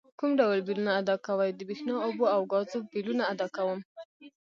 کوم ډول بیلونه ادا کوئ؟ د بریښنا، اوبو او ګازو بیلونه ادا کوم